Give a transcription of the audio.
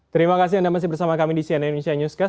terima kasih anda masih bersama kami di cnn indonesia newscast